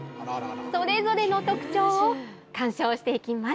それぞれの特徴を観賞していきます。